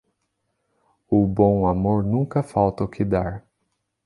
O bom amor nunca falta o que dar.